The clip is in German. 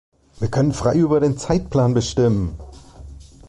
Wir können frei über den Zeitplan bestimmen.